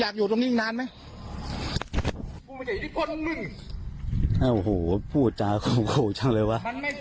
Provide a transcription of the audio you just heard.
พูดจ้าโคตรจังเลยวะ